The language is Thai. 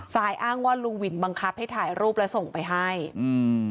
ซายอ้างว่าลุงวินบังคับให้ถ่ายรูปแล้วส่งไปให้อืม